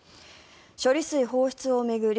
処理水放出を巡り